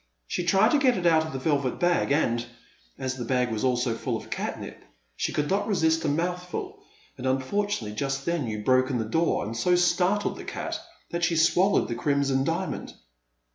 She tried to get it out of the velvet bag, and, as the bag was also full of catnip, she could not resist a mouthful, and unfortunately just then you broke in the door and so startled the cat that she swallowed the Crimson Diamond."